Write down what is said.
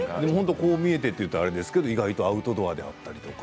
こう見えてといったらあれですけど意外とアウトドアであったりとか。